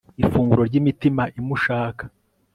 ifunguro ry'imitima imushaka